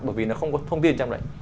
bởi vì nó không có thông tin trong đoạn